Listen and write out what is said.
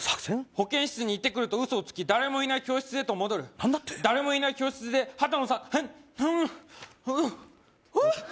保健室に行ってくると嘘をつき誰もいない教室へと戻る何だって誰もいない教室で羽多野さんフーッフーフーッ！